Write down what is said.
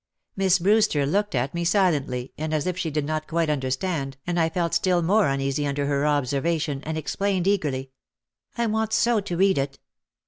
Miss Brewster looked at me silently and as if she did not quite understand and I felt still more uneasy under her observation and explained eagerly, "I want so to read it."